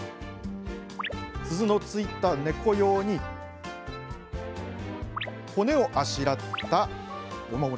鈴のついた猫用に骨をあしらったお守り